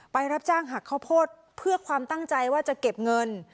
รับจ้างหักข้าวโพดเพื่อความตั้งใจว่าจะเก็บเงิน